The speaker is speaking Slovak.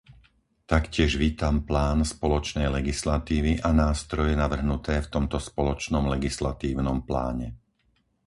Taktiež vítam plán spoločnej legislatívy a nástroje navrhnuté v tomto spoločnom legislatívnom pláne.